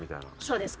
そうです。